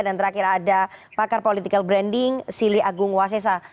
dan terakhir ada pakar political branding sili agung wasesa